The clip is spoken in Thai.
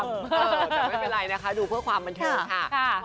แต่ไม่เป็นไรนะคะดูเพื่อความบันเทิงค่ะ